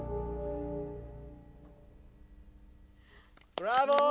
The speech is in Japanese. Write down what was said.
ブラボー！